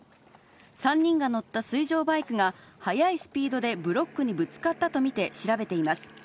３人が乗った水上バイクが、速いスピードでブロックにぶつかったと見て、調べています。